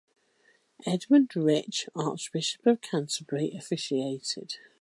Edmund Rich, Archbishop of Canterbury, officiated.